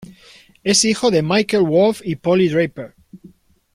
Es hijo de Michael Wolff y Polly Draper.